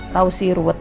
tahu sih ruwet